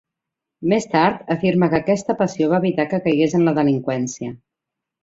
Més tard, afirma que aquesta passió va evitar que caigués en la delinqüència.